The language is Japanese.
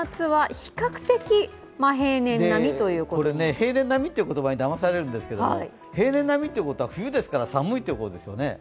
平年並みという言葉にだまされるんですけど平年並みということは、冬ですから寒いということですよね。